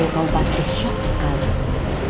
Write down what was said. aku tahu kamu pasti shock sekali